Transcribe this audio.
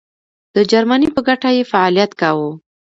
د جرمني په ګټه یې فعالیت کاوه.